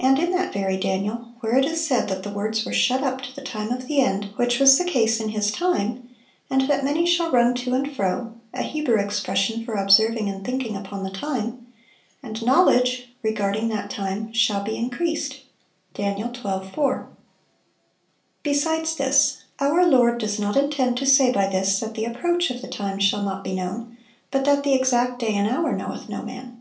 and in that very Daniel, where it is said that the words were shut up to the time of the end (which was the case in his time), and that 'many shall run to and fro' (a Hebrew expression for observing and thinking upon the time), 'and knowledge' (regarding that time) 'shall be increased.' Dan. 12:4. Besides this, our Lord does not intend to say by this, that the approach of the time shall not be known, but that the exact 'day and hour knoweth no man.